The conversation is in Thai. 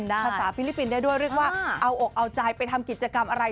ภาษาฟิลิปปินส์ได้ด้วยเรียกว่าเอาอกเอาใจไปทำกิจกรรมอะไร